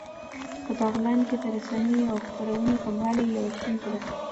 په بغلان کې د رسنیو او خپرونو کموالی يوه ستونزه ده